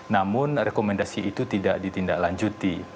namun rekomendasi itu tidak ditindaklanjuti